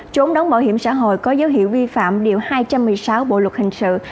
trốn đóng bảo hiểm xã hội có dấu hiệu vi phạm điều hai trăm một mươi sáu bộ luật hình sự